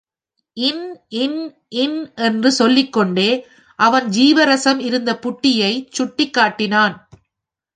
இன் இன் இன் என்று சொல்லிக் கொண்டே அவன் ஜீவரசம் இருந்த புட்டியைச் சுட்டிக் காட்டினான்.